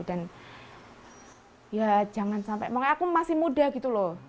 dan ya jangan sampai makanya aku masih muda gitu loh